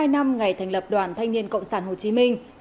chín mươi hai năm ngày thành lập đoàn thanh niên cộng sản hồ chí minh